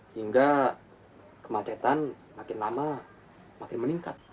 hingga kemacetan makin lama makin meningkat